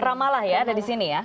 ramalah ya ada di sini ya